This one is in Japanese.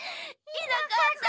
いなかった。